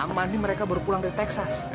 aman nih mereka baru pulang dari texas